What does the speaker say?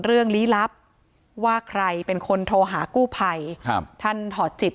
ลี้ลับว่าใครเป็นคนโทรหากู้ภัยครับท่านถอดจิต